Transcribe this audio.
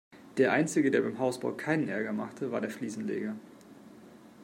Der einzige, der beim Hausbau keinen Ärger machte, war der Fliesenleger.